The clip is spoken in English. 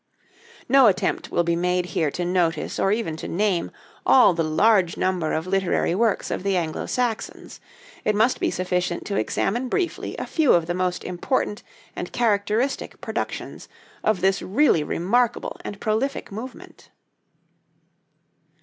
No attempt will be made here to notice, or even to name, all the large number of literary works of the Anglo Saxons. It must be sufficient to examine briefly a few of the most important and characteristic productions of this really remarkable and prolific movement.